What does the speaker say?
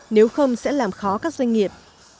nếu không sẽ làm khó các doanh nghiệp